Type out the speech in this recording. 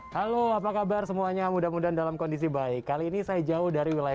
halo apa kabar semuanya mudah mudahan dalam kondisi baik kali ini saya jauh dari wilayah